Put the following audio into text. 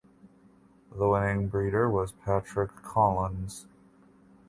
The winning breeder was Patrick Collins.